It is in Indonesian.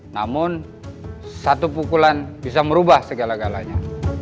namun satu pukulan bisa merubah segala galanya